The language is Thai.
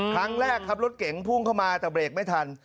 ครั้งแรกครับรถเก๋งพุ่งเข้ามาแต่เบรกไม่ทัน